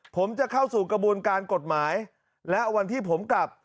ผมจะเข้าสู่กระบวนการกฎหมายและวันที่ผมกลับ